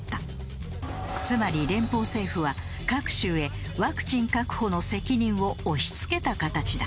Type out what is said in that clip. つまり連邦政府は各州へワクチン確保の責任を押し付けた形だ。